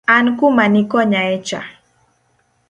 An kuma ni konyae cha